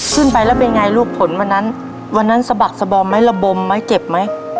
ขึ้นไปแล้วเป็นไงลูกผลวันนั้นวันนั้นสะบักสบอมไหมระบมไหมเจ็บไหม